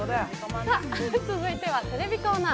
続いてはテレビコーナー。